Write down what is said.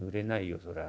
そら。